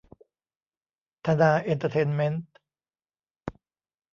ธนาเอนเตอร์เทนเม้นท์